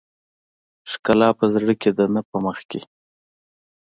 ښکلا په زړه کې ده نه په مخ کې .